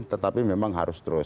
tetapi memang harus terus